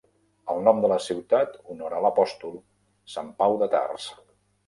El nom de la ciutat honora l'apòstol, Sant Pau de Tars.